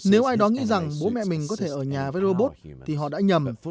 nếu ai đó nghĩ rằng bố mẹ mình có thể ở nhà với robot thì họ đã nhầm